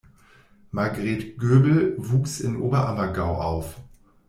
Margret Göbl wuchs in Oberammergau auf.